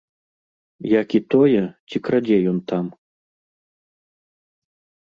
Як і тое, ці крадзе ён там.